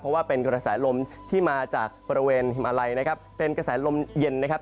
เพราะว่าเป็นกระแสลมที่มาจากบริเวณอะไรนะครับเป็นกระแสลมเย็นนะครับ